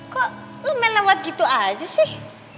kok lu main lewat gitu aja sih